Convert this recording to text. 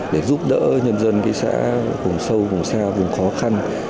để giúp đỡ nhân dân xã vùng sâu vùng xa vùng khó khăn